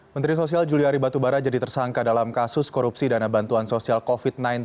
menteri sosial juliari batubara jadi tersangka dalam kasus korupsi dana bantuan sosial covid sembilan belas